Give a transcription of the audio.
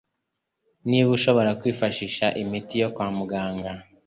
niho ushobora kwifashisha imiti yo kwa muganga,